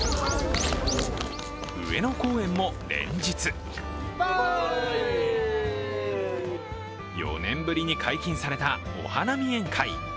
上野公園も連日４年ぶりに解禁されたお花見宴会。